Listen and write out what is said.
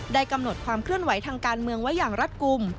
กำหนดความเคลื่อนไหวทางการเมืองไว้อย่างรัฐกลุ่ม